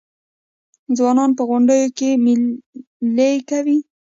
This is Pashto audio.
ځوانان په غونډیو کې میلې کوي.